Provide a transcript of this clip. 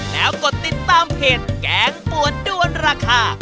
แล้วกดติดตามเพจแกงปวดด้วนราคา